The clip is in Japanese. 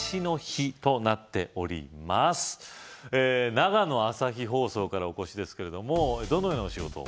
長野朝日放送からお越しですけれどもどのようなお仕事を？